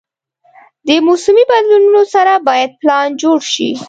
د موسمي بدلونونو سره باید پلان جوړ شي.